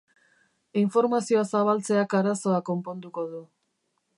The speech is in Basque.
Informazioa zabaltzeak arazoa konponduko du.